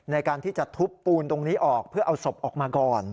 ในการที่จะทุบปูนตรงนี้ออกเพื่อเอาศพออกมาก่อน